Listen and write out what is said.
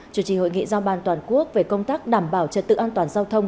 chủ trì hội nghị giao ban toàn quốc về công tác đảm bảo trật tự an toàn giao thông